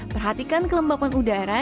perhatikan kelembapan udara